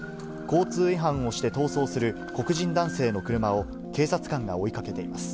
交通違反をして逃走する黒人男性の車を、警察官が追いかけています。